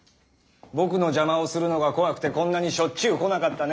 僕の邪魔をするのが怖くてこんなにしょっちゅう来なかったね。